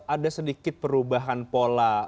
ada sedikit perubahan pola